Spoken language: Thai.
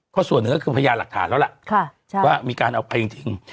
ก็ส่วนหนึ่งก็คือพยานหลักฐานแล้วล่ะว่ามีการเอาไปจริง